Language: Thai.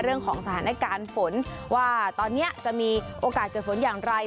เรื่องของสถานการณ์ฝนว่าตอนนี้จะมีโอกาสเกิดฝนอย่างไร